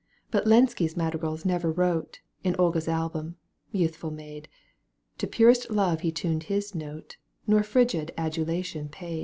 But Lenski madrigals ne'er wrote In Olga's album, youthful maid, To purest love he tuned his note Nor frigid adulation paid.